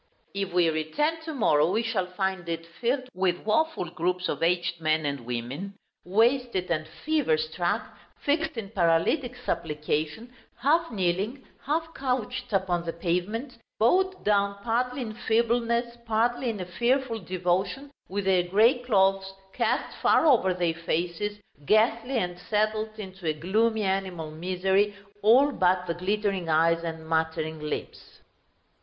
If we return to morrow, we shall find it filled with woful groups of aged men and women, wasted and fever struck, fixed in paralytic supplication, half kneeling, half couched upon the pavement; bowed down, partly in feebleness, partly in a fearful devotion, with their grey clothes cast far over their faces, ghastly and settled into a gloomy animal misery, all but the glittering eyes and muttering lips.